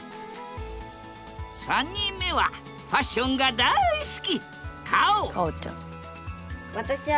３人目はファッションが大好き！